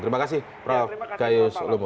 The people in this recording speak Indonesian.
terima kasih prof gaius ulumun